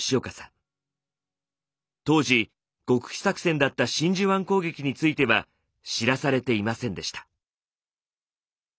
当時極秘作戦だった真珠湾攻撃については知らされていませんでした。